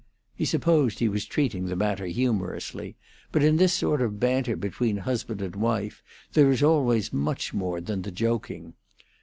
He supposed he was treating the matter humorously, but in this sort of banter between husband and wife there is always much more than the joking.